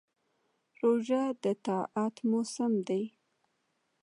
روژه د طاعت موسم دی.